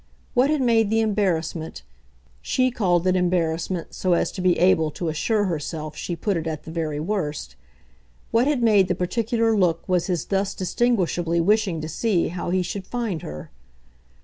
What had made the embarrassment she called it embarrassment so as to be able to assure herself she put it at the very worst what had made the particular look was his thus distinguishably wishing to see how he should find her.